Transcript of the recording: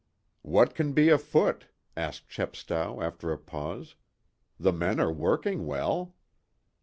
"What can be afoot?" asked Chepstow, after a pause. "The men are working well."